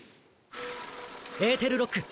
エーテルロック。